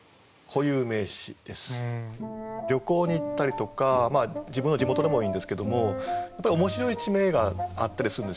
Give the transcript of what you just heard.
旅行に行ったりとか自分の地元でもいいんですけどもやっぱり面白い地名があったりするんですよね。